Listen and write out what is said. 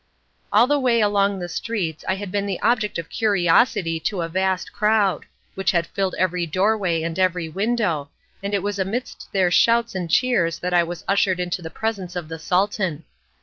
All the way along the streets I had been the object of curiosity to a vast crowd, which had filled every doorway and every window, and it was amidst their shouts and cheers that I was ushered into the presence of the Sultan.